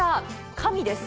神です！